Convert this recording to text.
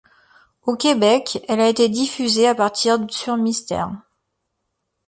Au Québec, elle a été diffusée à partir d' sur Mystère.